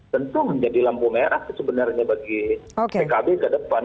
tentu menjadi lampu merah sebenarnya bagi pkb ke depan